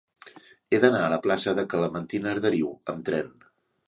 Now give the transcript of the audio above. He d'anar a la plaça de Clementina Arderiu amb tren.